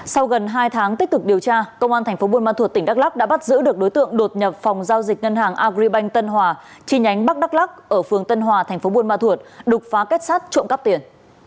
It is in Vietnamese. trong hai tháng tích cực điều tra công an tp bun ma thuột tỉnh đắk lắc đã bắt giữ được đối tượng đột nhập phòng giao dịch ngân hàng agribank tân hòa chi nhánh bắc đắk lắc ở phường tân hòa tp bun ma thuột đục phá kết sát trộm cắp tiền